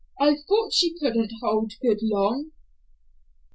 I thought she couldn't hold good long."